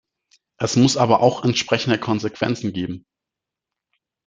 Es muss aber auch entsprechende Konsequenzen geben.